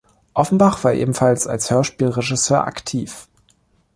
Offenbach war ebenfalls als Hörspiel-Regisseur aktiv.